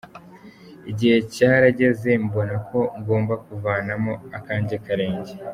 Igihe cyarageze mbona ko ngomba kuvanamo akanjye karenge”.